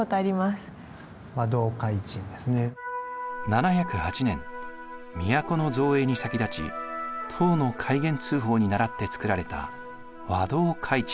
７０８年都の造営に先立ち唐の開元通宝にならってつくられた和同開珎。